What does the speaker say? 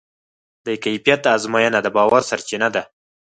د کیفیت ازموینه د باور سرچینه ده.